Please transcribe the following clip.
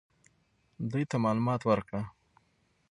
دوی ته معلومات ورکړه.